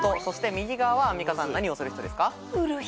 そして右側はアンミカさん何をする人ですか？